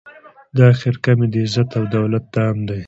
دا خرقه مي د عزت او دولت دام دی